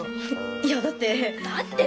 いやだって。